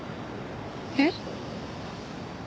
えっ？